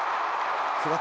「桑田」